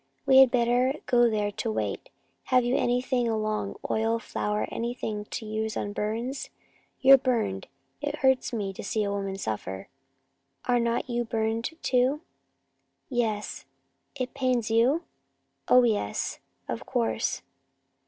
"We had better go there to wait. Have you anything along oil, flour, anything to use on burns? You're burned. It hurts me to see a woman suffer." "Are not you burned too?" "Yes." "It pains you?" "Oh, yes, of course."